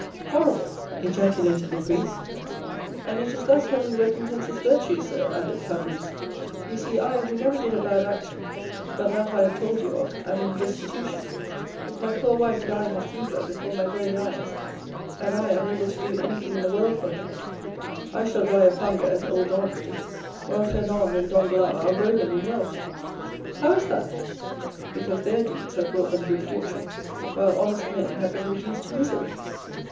"Horrible!" ejaculated the priest. "And it is thus heaven recompenses virtue, sir," added Caderousse. "You see, I, who never did a bad action but that I have told you of—am in destitution, with my poor wife dying of fever before my very eyes, and I unable to do anything in the world for her; I shall die of hunger, as old Dantès did, while Fernand and Danglars are rolling in wealth." "How is that?" "Because their deeds have brought them good fortune, while honest men have been reduced to misery."